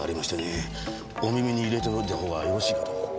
お耳に入れておいた方がよろしいかと。